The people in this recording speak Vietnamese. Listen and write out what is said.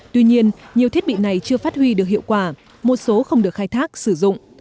tuy nhiên nhiều thiết bị này chưa phát huy được hiệu quả một số không được khai thác sử dụng